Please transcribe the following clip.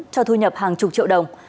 cho thu nhập hàng chục triệu đồng